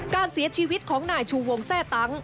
การเสียชีวิตของนายชูวงแทร่ตั้ง